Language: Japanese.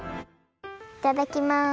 いただきます！